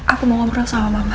aku mau berbicara dengan mama